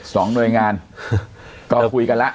สองหน่วยงานก็คุยกันแล้ว